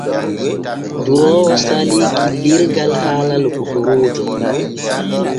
Duroowo salii gillirgo haala lokotoroojo.